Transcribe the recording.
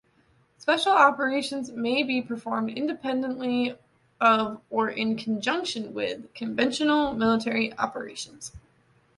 Special operations may be performed independently of or in conjunction with, conventional military operations.